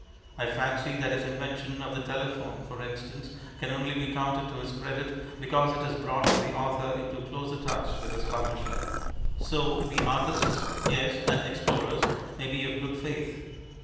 I fancy that his invention of the telephone (for instance) can only be counted to his credit because it has brought the author into closer touch with his publisher. So we artists (yes, and explorers) may be of good faith.